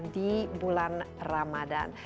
di bulan ramadhan